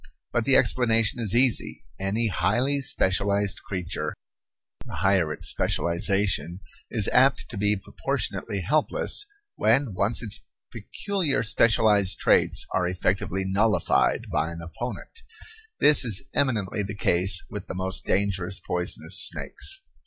But the explanation is easy. Any highly specialized creature, the higher its specialization, is apt to be proportionately helpless when once its peculiar specialized traits are effectively nullified by an opponent. This is eminently the case with the most dangerous poisonous snakes.